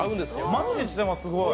マッチしてます。